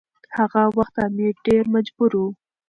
هغه وخت امیر ډیر مجبور و.